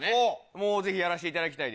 もうぜひやらしていただきたい。